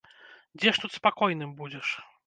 Дзе ж тут спакойным будзеш?